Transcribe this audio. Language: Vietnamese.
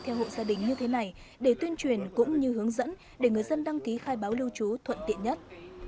theo hộ gia đình như thế này để tuyên truyền cũng như hướng dẫn để người dân đăng ký khai báo lưu trú thuận tiện nhất